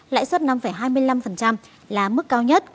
lãi suất năm hai mươi năm là mức cao nhất